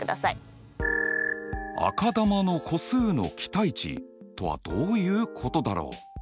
赤球の個数の期待値とはどういうことだろう？